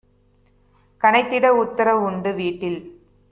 கனைத்திட உத்தர வுண்டு - வீட்டில்